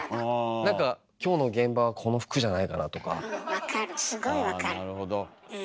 何か「今日の現場はこの服じゃないかな」とか。